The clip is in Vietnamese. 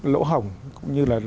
lỗ hổng cũng như là